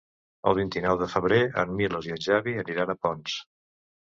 El vint-i-nou de febrer en Milos i en Xavi aniran a Ponts.